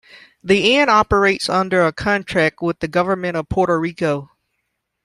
The inn operates under a contract with the Government of Puerto Rico.